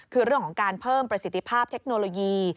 คือเรื่องของการเพิ่มประสิทธิภาพเทคโนโลยี